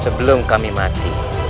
sebelum kami mati